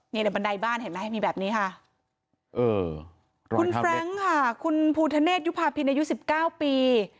นี่แหละบันไดบ้านเห็นไหมมีแบบนี้ค่ะคุณแฟรงก์ค่ะคุณภูทะเนสยุภาพินอายุ๑๙ปี